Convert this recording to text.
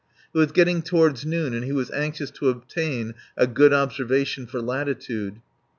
It was getting toward noon and he was anxious to obtain a good observation for latitude.